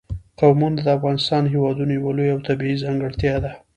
قومونه د افغانستان هېواد یوه لویه او طبیعي ځانګړتیا ده.